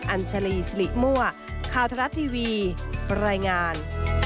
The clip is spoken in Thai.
อัญชลีสิริมั่วข่าวทรัฐทีวีรายงาน